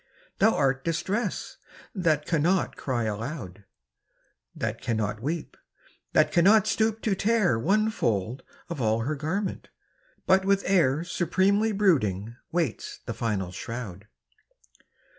Thou art Distress — ^that cannot cry alou<^ That cannot weep, that cannot stoop to tear One fold of all her garment, but with air Supremely brooding waits the final shroud